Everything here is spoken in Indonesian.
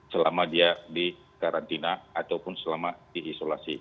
selama dia dikarantina ataupun selama diisolasi